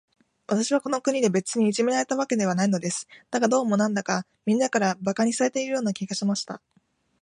私はこの国で、別にいじめられたわけではないのです。だが、どうも、なんだか、みんなから馬鹿にされているような気がしました。